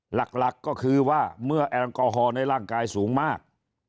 หลักก็คือว่าเมื่อแอลกอฮอลในร่างกายสูงมาก